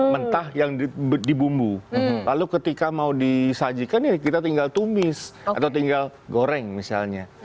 mentah yang dibumbu lalu ketika mau disajikan ya kita tinggal tumis atau tinggal goreng misalnya